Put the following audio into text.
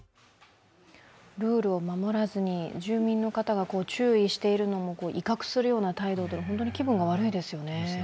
ルールを守らずに住民の方が注意しているのも威嚇するような態度で、本当に気分が悪いですよね。